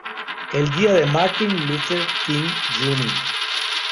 El día de Martin Luther King, Jr.